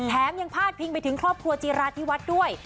แถมยังพาดพิงไปถึงครอบครัวจีราชที่วัดด้วย